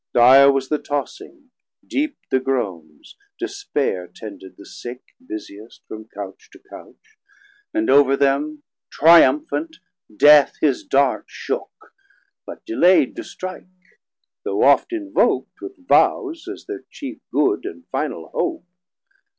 Dire was the tossing, deep the groans, despair Tended the sick busiest from Couch to Couch; And over them triumphant Death his Dart Shook, but delaid to strike, though oft invok't With vows, as thir chief good, and final hope.